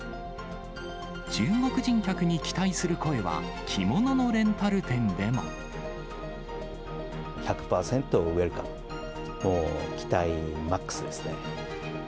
中国人客に期待する声は着物１００％ウエルカム、もう期待マックスですね。